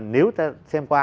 nếu ta xem qua